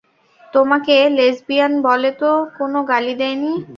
তোমাকে লেসবিয়ান বলে তো কোনও গালি দেয়নি!